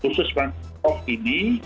khusus untuk ini